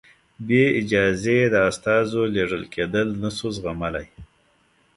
بې اجازې د استازو لېږل کېدل نه شو زغملای.